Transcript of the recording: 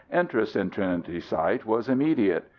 Interest in Trinity Site was immediate.